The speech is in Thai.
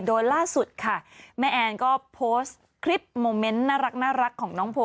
โดยล่าสุดค่ะแม่แอนก็โพสต์คลิปโมเมนต์น่ารักของน้องโพ